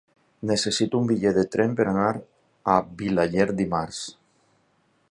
Necessito un bitllet de tren per anar a Vilaller dimarts.